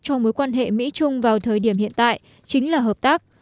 cho mối quan hệ mỹ trung vào thời điểm hiện tại chính là hợp tác